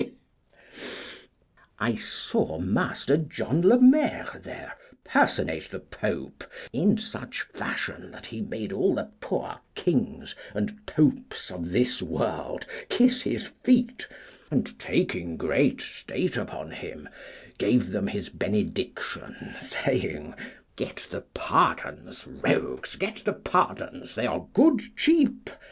I saw Master John Le Maire there personate the Pope in such fashion that he made all the poor kings and popes of this world kiss his feet, and, taking great state upon him, gave them his benediction, saying, Get the pardons, rogues, get the pardons; they are good cheap.